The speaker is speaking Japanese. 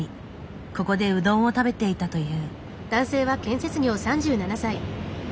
ここでうどんを食べていたという。